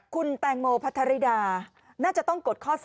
คุณแตงโมพัทธริดาน่าจะต้องกดข้อ๓